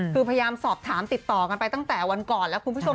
คือพยายามสอบถามติดต่อกันไปตั้งแต่วันก่อนแล้วคุณผู้ชม